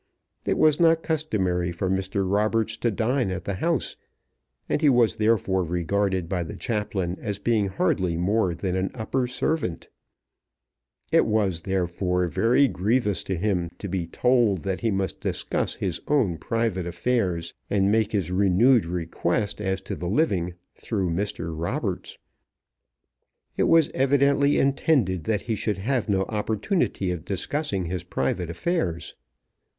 It was not customary for Mr. Roberts to dine at the house, and he was therefore regarded by the chaplain as being hardly more than an upper servant. It was therefore very grievous to him to be told that he must discuss his own private affairs and make his renewed request as to the living through Mr. Roberts. It was evidently intended that he should have no opportunity of discussing his private affairs.